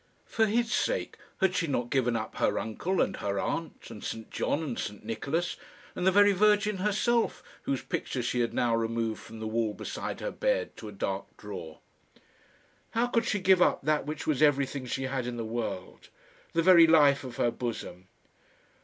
For his sake had she not given up her uncle and her aunt, and St John and St Nicholas and the very Virgin herself, whose picture she had now removed from the wall beside her bed to a dark drawer? How could she give up that which was everything she had in the world the very life of her bosom?